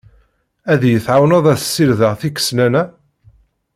Ad yi-tεawneḍ ad ssirdeɣ iqeslan-a?